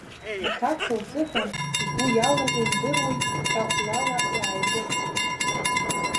Аҭаца лзыҳәан, лгәы иалоу умдыруеи ҳәа блала иааибырҳәеит.